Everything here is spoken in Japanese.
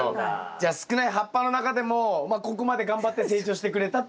じゃ少ない葉っぱの中でもまあここまで頑張って成長してくれたっていうことですよね。